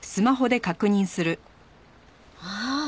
ああ。